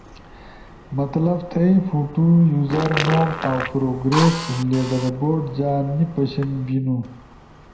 مطلب تھئی فوتو، یوزر نوم اؤ پروگریس لیڈربورڈ جا نی پشن بینو